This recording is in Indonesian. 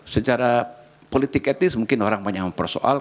secara politik etis mungkin orang banyak mempersoal